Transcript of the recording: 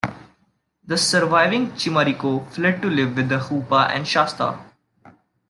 The surviving Chimariko fled to live with the Hupa and Shasta.